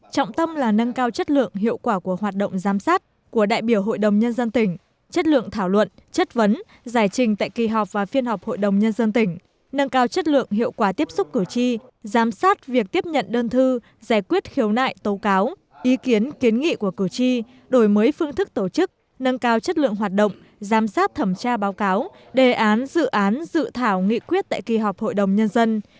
trọng tâm là nâng cao chất lượng hiệu quả của hoạt động giám sát của đại biểu hội đồng nhân dân tỉnh chất lượng thảo luận chất vấn giải trình tại kỳ họp và phiên họp hội đồng nhân dân tỉnh nâng cao chất lượng hiệu quả tiếp xúc cử tri giám sát việc tiếp nhận đơn thư giải quyết khiếu nại tâu cáo ý kiến kiến nghị của cử tri đổi mới phương thức tổ chức nâng cao chất lượng hoạt động giám sát thẩm tra báo cáo đề án dự án dự thảo nghị quyết tại kỳ họp hội đồng nhân dân